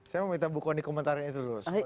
saya mau minta bu kony komentarin itu dulu